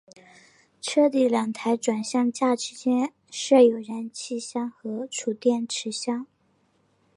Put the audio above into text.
车底两台转向架之间设有燃油箱和蓄电池箱。